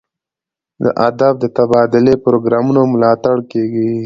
د ادب د تبادلې پروګرامونو ملاتړ کیږي.